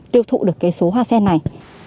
tiêu thụ được số hoa sen này